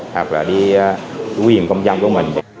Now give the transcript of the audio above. hoặc là đi